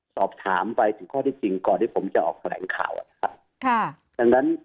ตอบถามไปถึงข้อที่จริงก่อนที่ผมจะออกแผลงข่าวนะครับ